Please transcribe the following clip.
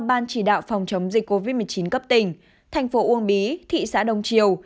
ban chỉ đạo phòng chống dịch covid một mươi chín cấp tỉnh thành phố uông bí thị xã đông triều